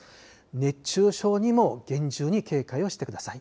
熱中症にも厳重に警戒をしてください。